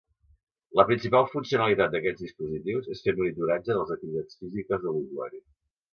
La principal funcionalitat d’aquests dispositius és fer monitoratge de les activitats físiques de l’usuari.